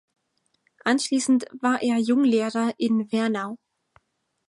Anschließend war er Junglehrer in Wernau.